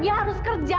dia harus kerja